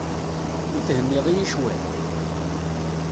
I thenniḍ-iyi cwiṭ?